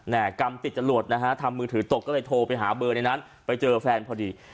กรรมติดจรวดนะฮะทำมือถือตกก็เลยโทรไปหาเบอร์ในนั้นไปเจอแฟนพอดี